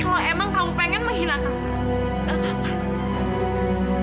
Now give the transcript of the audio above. kalau emang kamu pengen menghina kakak tak apa